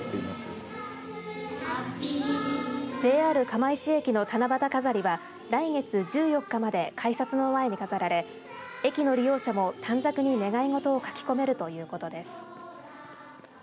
ＪＲ釜石駅の七夕飾りは、１４日まで改札の前に飾られ駅の利用者も短冊に願い事を書き込めるということです。